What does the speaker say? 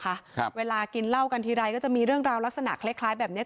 ครับเวลากินเหล้ากันทีไรก็จะมีเรื่องราวลักษณะคล้ายคล้ายแบบเนี้ย